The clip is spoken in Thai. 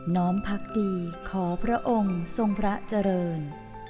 ้อมพักดีขอพระองค์ทรงพระเจริญ